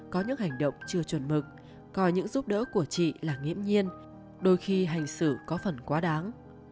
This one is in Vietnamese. có những hành động chưa chuẩn mực coi những giúp đỡ của chị là nghiễm nhiên đôi khi hành xử có phần quá đáng